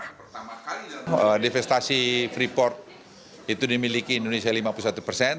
pertama kali divestasi freeport itu dimiliki indonesia lima puluh satu persen